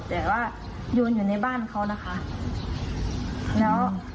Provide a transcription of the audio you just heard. แต่ว่าโยนอยู่ในบ้านเขานะคะ